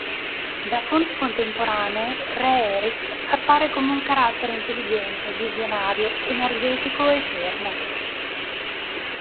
Da fonti contemporanee Re Eric appare come un carattere intelligente, visionario, energetico e fermo.